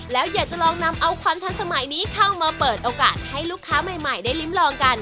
แล้วอยากจะลองนำเอาความทันสมัยนี้เข้ามาเปิดโอกาสให้ลูกค้าใหม่ได้ลิ้มลองกัน